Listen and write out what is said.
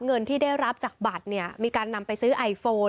เงินที่ได้รับจากบัตรเนี่ยมีการนำไปซื้อไอโฟน